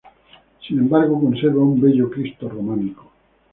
Sin embargo conserva un bello Cristo románico.